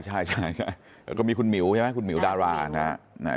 ใช่ก็มีคุณหมิวใช่ไหมคุณหมิวดารานะครับ